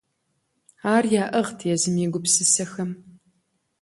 Ар яӏыгът езым и гупсысэхэм…